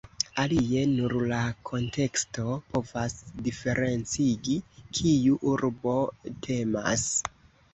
Alie, nur la konteksto povas diferencigi, kiu urbo temas.